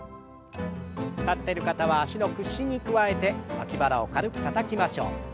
立ってる方は脚の屈伸に加えて脇腹を軽くたたきましょう。